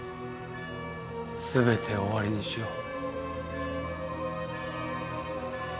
全て終わりにしよう。